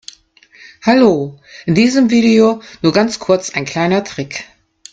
Hallo, in diesem Video nur ganz kurz ein kleiner Trick.